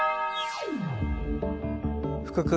福君